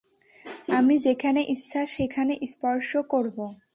আমি যেখানে ইচ্ছা সেখানে স্পর্শ করবো।